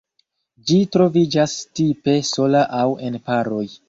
Ĝi troviĝas tipe sola aŭ en paroj.